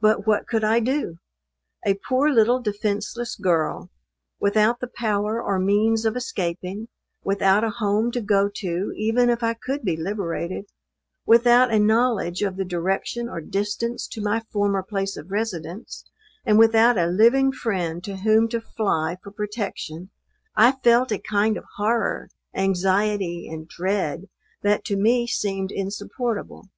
But what could I do? A poor little defenceless girl; without the power or means of escaping; without a home to go to, even if I could be liberated; without a knowledge of the direction or distance to my former place of residence; and without a living friend to whom to fly for protection, I felt a kind of horror, anxiety, and dread, that, to me, seemed insupportable.